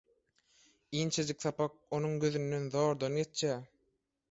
Inçejik sapak onuň gözünden zordan geçýär.